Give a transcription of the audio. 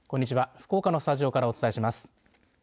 福岡のスタジオからお伝えします。